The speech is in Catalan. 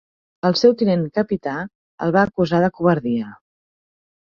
El seu tinent capità el van acusar de covardia.